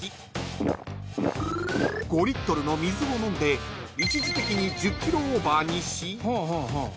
［５リットルの水を飲んで一時的に１０ｋｇオーバーにし